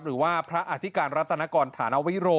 หรือว่าพระอธิการรัตนกรฐานวิโร